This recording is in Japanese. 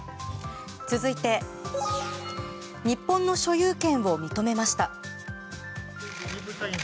続いて日本の所有権を認めました。